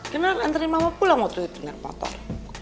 kinar anterin mama pulang waktu itu kinar motor